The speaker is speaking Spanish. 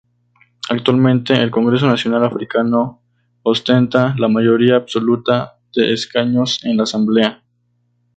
Actualmente, el Congreso Nacional Africano ostenta la mayoría absoluta de escaños en la Asamblea.